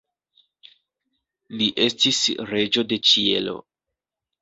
Li estis Reĝo de Ĉielo.